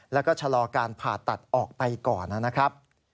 แล้วก็ชะลอการผ่าตัดออกไปก่อนนะครับ